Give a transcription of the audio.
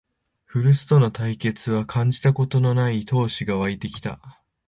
古巣との対決は感じたことのない闘志がわいてきた